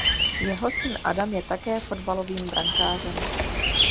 Jeho syn Adam je také fotbalovým brankářem.